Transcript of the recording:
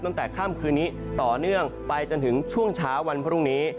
ตั้งแต่ค่ำคืนนี้ต่อเนื่องไปจนถึงช่วงเช้าวันพรุ่งนี้